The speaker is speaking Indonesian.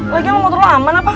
lagian motor lu aman apa